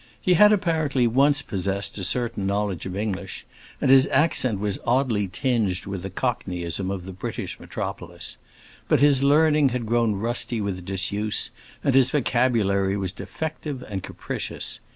He had apparently once possessed a certain knowledge of English, and his accent was oddly tinged with the cockneyism of the British metropolis. But his learning had grown rusty with disuse, and his vocabulary was defective and capricious.